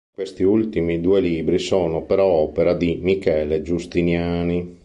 Questi ultimi due libri sono però opera di Michele Giustiniani.